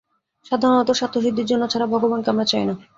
সাধারণত স্বার্থসিদ্ধির জন্য ছাড়া ভগবানকে আমরা চাই না।